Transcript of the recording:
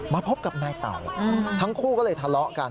พบกับนายเต่าทั้งคู่ก็เลยทะเลาะกัน